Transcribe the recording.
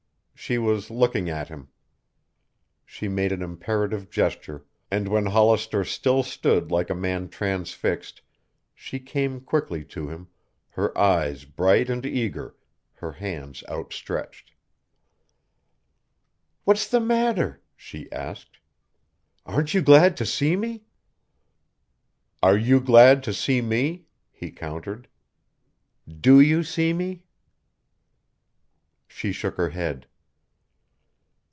She was looking at him. She made an imperative gesture, and when Hollister still stood like a man transfixed, she came quickly to him, her eyes bright and eager, her hands outstretched. "What's the matter?" she asked. "Aren't you glad to see me?" "Are you glad to see me?" he countered. "Do you see me?" She shook her head.